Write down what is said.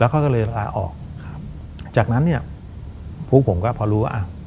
เขาก็เลยลาออกครับจากนั้นเนี่ยพวกผมก็พอรู้ว่าอ่ะ